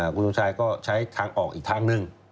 คุณสมชายก็ใช้ทางออกอีกทางหนึ่ง